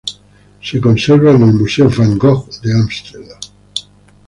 Se conserva en el Museo van Gogh de Ámsterdam.